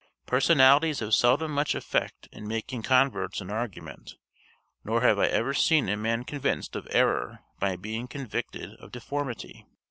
Personalities have seldom much effect in making converts in argument; nor have I ever seen a man convinced of error by being convicted of deformity.